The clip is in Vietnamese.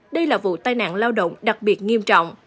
đây là vụ tai nạn lao động đặc biệt nghiêm trọng